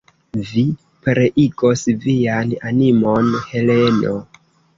Vi pereigos vian animon, Heleno!